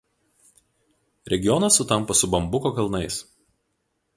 Regionas sutampa su Bambuko kalnais.